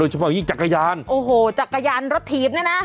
โดยเฉพาะอย่างงี้จักรยานโอ้โหจักรยานรถทีบนี่นะ